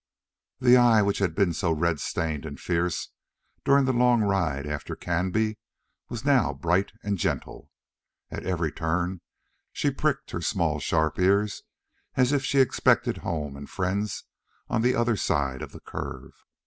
The eye which had been so red stained and fierce during the long ride after Canby was now bright and gentle. At every turn she pricked her small sharp ears as if she expected home and friends on the other side of the curve.